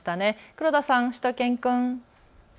黒田さん、しゅと犬くん。